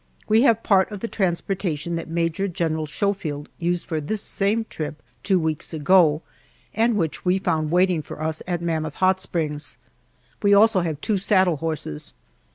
We have part of the transportation that Major General Schofield used for this same trip two weeks ago, and which we found waiting for us at Mammoth Hot Springs. We also have two saddle horses.